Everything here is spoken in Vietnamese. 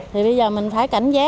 thì bây giờ mình phải cảnh giác